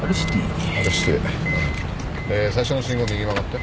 で最初の信号右曲がって。